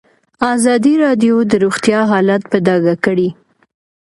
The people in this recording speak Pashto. ازادي راډیو د روغتیا حالت په ډاګه کړی.